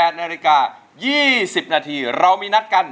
๘นาฬิกา๒๐นาทีเรามีนัดกัน